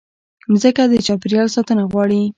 مځکه د چاپېریال ساتنه غواړي.